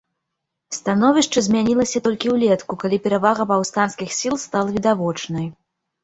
Становішча змянілася толькі ўлетку, калі перавага паўстанцкіх сіл стала відавочнай.